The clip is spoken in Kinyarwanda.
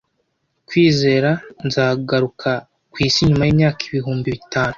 Kwizera nzagaruka kwisi nyuma yimyaka ibihumbi bitanu,